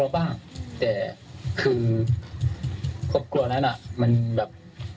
กลัวบ้างแต่คือครบกลัวนั้นมันแบบ